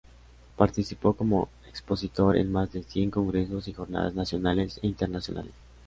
Participó como expositor en más de cien congresos y jornadas nacionales e internacionales.